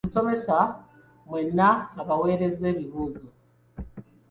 Omusomesa mwenna abaaweereza ebibuuzo.